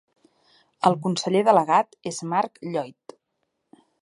El conseller delegat és Mark Lloyd.